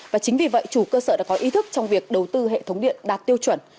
và chính vì vậy chủ cơ sở đã có ý thức trong việc đầu tư hệ thống điện đạt tiêu chuẩn